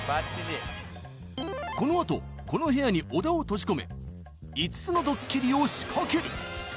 このあとこの部屋に小田を閉じ込め５つのドッキリを仕掛ける